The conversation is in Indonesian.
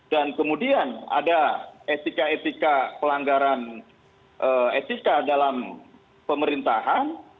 dan kemudian ada etika etika pelanggaran etika dalam pemerintahan